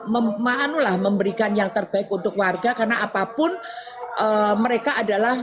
memaanulah memberikan yang terbaik untuk warga karena apapun mereka adalah